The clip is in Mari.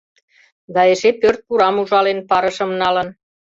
— Да эше пӧрт пурам ужален, парышым налын!